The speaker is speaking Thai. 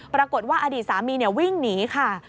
ปรากฏว่าอดีตสามีวิ่งหนีค่ะ